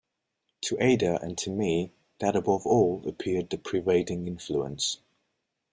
To Ada and to me, that above all appeared the pervading influence.